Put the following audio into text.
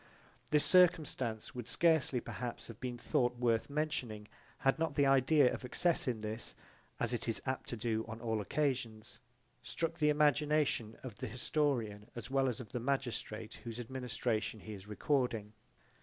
This circumstance would scarcely perhaps have been thought worth mentioning, had not the idea of excess in this, as it is apt to do on all occasions, struck the imagination of the historian as well as of the magistrate whose administration he is recording.